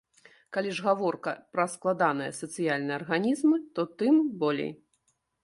Калі ж гаворка пра складаныя сацыяльныя арганізмы, то тым болей.